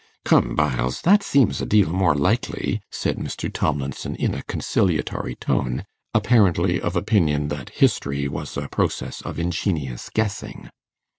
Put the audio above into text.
'Come, Byles, that seems a deal more likely,' said Mr. Tomlinson, in a conciliatory tone, apparently of opinion that history was a process of ingenious guessing.